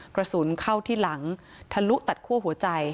กระสุนเข้าที่หลังทะลุตัดคั่วหัวใจ